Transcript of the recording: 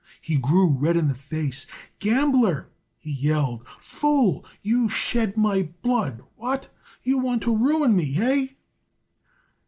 He grew red in the face. "Gambler!" he yelled. "Fool! You shed my blood! What? You want to ruin me! Hey?"